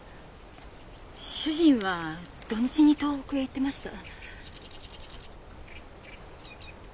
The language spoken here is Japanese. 主人は土日に東北へ行ってました。